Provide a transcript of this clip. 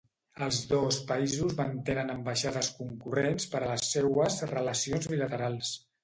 Els dos països mantenen ambaixades concurrents per a les seues relacions bilaterals.